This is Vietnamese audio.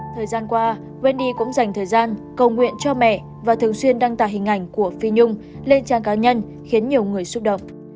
thời gian qua wendy cũng dành thời gian cầu nguyện cho mẹ và thường xuyên đăng tải hình ảnh của phi nhung lên trang cá nhân khiến nhiều người xúc động